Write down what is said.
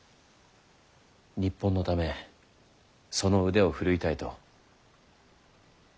日本のためその腕を振るいたいと。